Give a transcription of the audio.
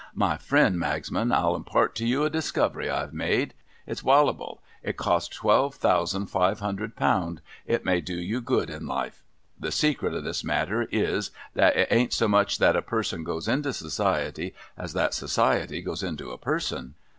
' My friend Magsman, I'll impart to you a discovery I've made. It's wallable ; it's cost twelve thousand five hundred pound ; it may do you good in life. — The secret of this matter is, that it ain't so much that a person goes into Society, as that Society goes into a person.'